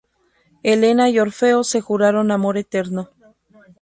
Helena y Orfeo se juraron amor eterno.